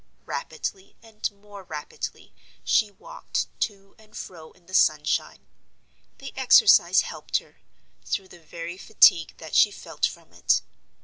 Rapidly and more rapidly she walked to and fro in the sunshine. The exercise helped her, through the very fatigue that she felt from it.